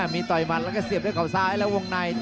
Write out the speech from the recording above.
มีต่อยหมัดแล้วก็เสียบด้วยเขาซ้ายแล้ววงใน